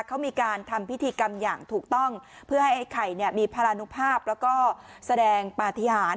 เขามีการทำพิธีกรรมอย่างถูกต้องเพื่อให้ไอ้ไข่เนี่ยมีพารานุภาพแล้วก็แสดงปฏิหาร